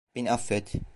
Beni affet.